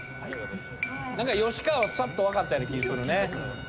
吉川はさっと分かったような気するね。